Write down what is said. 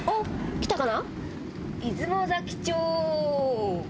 来たかな。